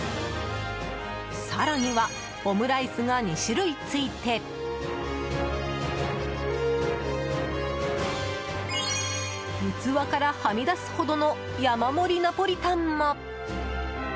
更にはオムライスが２種類ついて器から、はみ出すほどの山盛りナポリタンも。